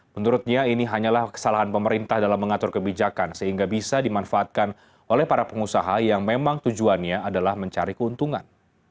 menurutnya ini hanyalah kesalahan pemerintah dalam mengatur kebijakan sehingga bisa dimanfaatkan oleh para pengusaha yang memang tujuannya adalah mencari keuntungan